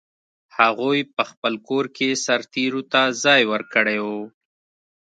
هغوی په خپل کور کې سرتېرو ته ځای ورکړی و.